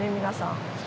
皆さん。